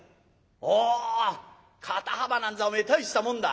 おお肩幅なんざおめえ大したもんだ。